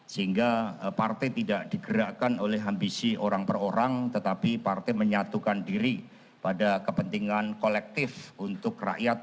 sehingga partai tidak digerakkan oleh ambisi orang per orang tetapi partai menyatukan diri pada kepentingan kolektif untuk rakyat